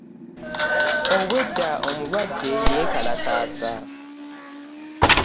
Obwedda omulwadde ye yeekalakaasa?